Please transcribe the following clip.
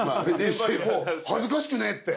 恥ずかしくねえって。